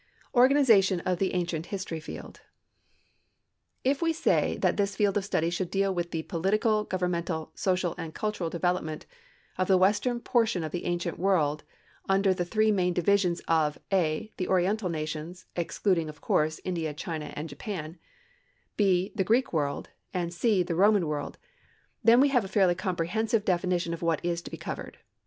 Organization of the Ancient History Field. If we say that this field of study should deal with the political, governmental, social, and cultural development of the western portion of the Ancient World under the three main divisions of (a) the Oriental nations, excluding, of course, India, China and Japan; (b) the Greek world, and (c) the Roman world then we have a fairly comprehensive definition of what is to be covered.